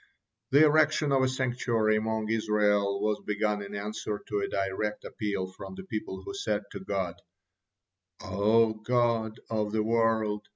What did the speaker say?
'" The erection of a sanctuary among Israel was begun in answer to a direct appeal from the people, who said to God: "O Lord of the world!